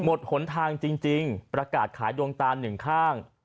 หนทางจริงประกาศขายดวงตาหนึ่งข้าง